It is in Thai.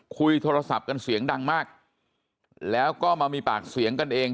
คุยโทรศัพท์กันเสียงดังมากแล้วก็มามีปากเสียงกันเอง